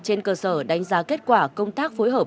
trên cơ sở đánh giá kết quả công tác phối hợp